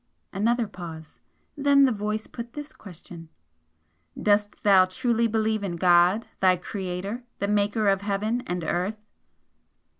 Another pause. Then the voice put this question "Dost thou truly believe in God, thy Creator, the Maker of heaven and earth?"